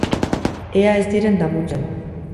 Ea ez diren damutzen.